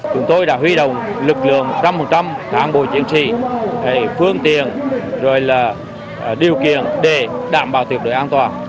chúng tôi đã huy động lực lượng một trăm linh đảng bộ chiến sĩ phương tiện rồi là điều kiện để đảm bảo trật tự an toàn